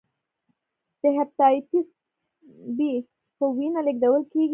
د هپاتایتس بي په وینه لېږدول کېږي.